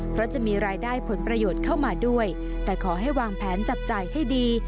เพราะจะมีรายได้ผลประโยชน์เข้ามาด้วยแต่ขอให้วางแผนจับจ่ายให้ดี